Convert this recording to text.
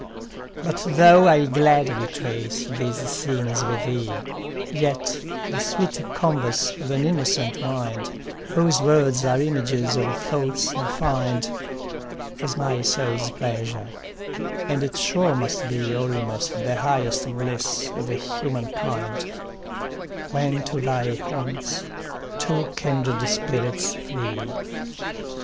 i SONNET 13 But thoagh 1 11 gladly trace these scenes with thee, Yet the sweet conyerse of an innocent mindy Whose words are images of thoughts re fin'd, Is my sours pleasure; and it sure must be Almost the highest bliss of human kind, When to thy haunts two kindred spirits flee.